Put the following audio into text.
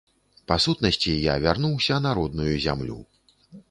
Па сутнасці, я вярнуўся на родную зямлю.